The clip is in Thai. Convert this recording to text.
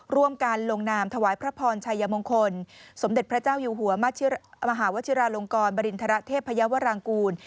ร่วมกันลงนามถวายพระพรชัยมงคลสมเด็จพระเจ้าอยู่หัวมหาวชิราลงกรบริณฑระเทพยาวรางกูล